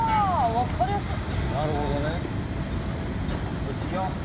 よしいくよ！